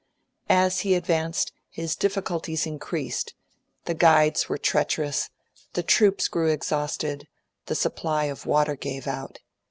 As he advanced, his difficulties increased; the guides were treacherous, the troops grew exhausted, the supply of water gave out.